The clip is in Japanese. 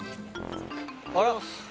あら。